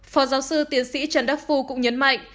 phó giáo sư tiến sĩ trần đắc phu cũng nhấn mạnh